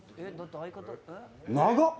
長っ！